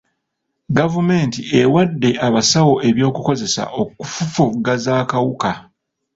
Gavumenti ewadde abasawo eby'okukozesa okufufugaza akawuka.